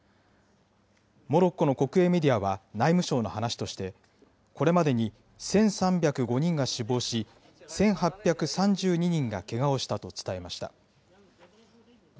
モロッコの国営メディアは内務省の話として、これまでに１３０５人が死亡し、１８３２人がけがをしたと伝えました。